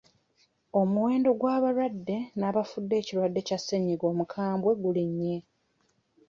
Omuwendo gw'abalwadde n'abafudde ekirwadde Kya Ssennyinga omukambwe gulinnye.